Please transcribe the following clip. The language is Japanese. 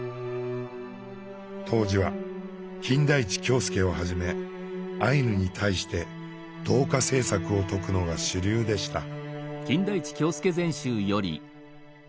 当時は金田一京助をはじめアイヌに対して「同化政策」を説くのが主流でした。